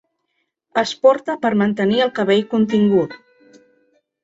Es porta per mantenir el cabell contingut.